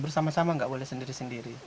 bersama sama nggak boleh sendiri sendiri